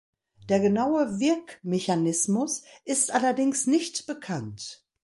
Der genaue Wirkmechanismus ist allerdings nicht bekannt.